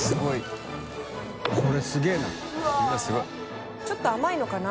淵Εぅちょっと甘いのかな？